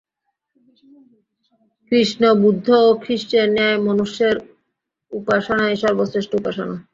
কৃষ্ণ, বুদ্ধ ও খ্রীষ্টের ন্যায় মনুষ্যের উপাসনাই সর্বশ্রেষ্ঠ উপাসনা।